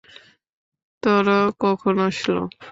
তারা কখন আসলো?